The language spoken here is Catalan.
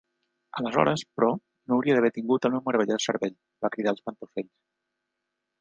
"Aleshores, però, no hauria d'haver tingut el meu meravellós cervell", va cridar l'Espantaocells.